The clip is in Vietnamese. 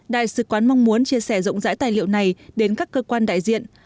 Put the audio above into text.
đại sứ quán mong muốn chia sẻ rộng rãi tài liệu này đến các cơ quan đại diện